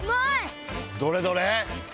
どれどれ？